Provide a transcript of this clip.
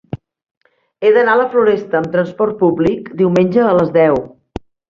He d'anar a la Floresta amb trasport públic diumenge a les deu.